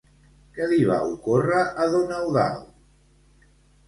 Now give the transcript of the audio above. Què li va ocórrer a don Eudald?